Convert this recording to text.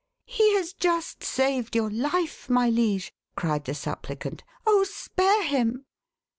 "He has just saved your life, my liege," cried the supplicant. "Oh, spare him!"